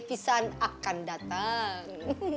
pisan akan dateng